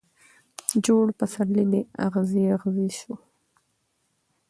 جوړ پسرلی دي اغزی اغزی سو